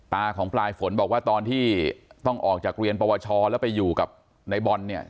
ของปลายฝนบอกว่าตอนที่ต้องออกจากเรียนปวชแล้วไปอยู่กับในบอลเนี่ย